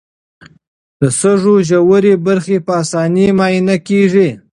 د سږو ژورې برخې په اسانۍ معاینه کېږي.